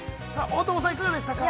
大友さん、いかがでしたか。